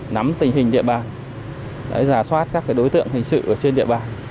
nắm tình hình địa bàn giả soát các đối tượng hình sự trên địa bàn